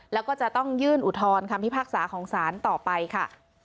แล้วก็จะต้องยื่นอุทธรณคำพิพากษาของศาลต่อไปค่ะ